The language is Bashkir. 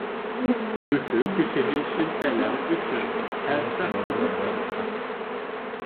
Өфө кешеһе шелтәләү өсөн һәр саҡ сәбәп табасаҡ.